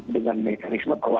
dengan mekanisme kolonial